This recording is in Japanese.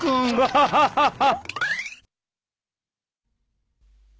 ハハハハ。